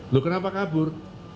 lu kenapa kabur